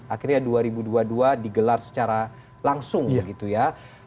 akhirnya dua ribu dua puluh dua ribu dua puluh satu akhirnya dua ribu dua puluh dua digelar secara langsung begitu ya